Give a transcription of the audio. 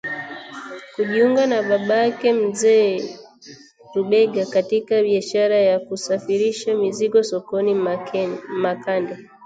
kujiunga na babake Mzee Rubega katika biashara ya kusafirisha mizigo sokoni Makande